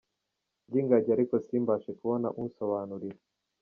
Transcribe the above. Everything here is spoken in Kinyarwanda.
ry’ingagi ariko simbashe kubona unsobanurira.